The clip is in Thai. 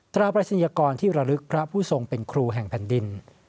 ตราปริศนียกรที่ระลึกพระผู้ทรงเป็นครูแห่งแผ่นดิน